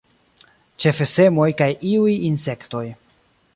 Ĉefe semoj kaj iuj insektoj.